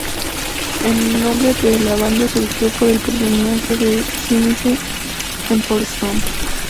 El nombre de la banda surgió por el personaje de Sinise en "Forrest Gump".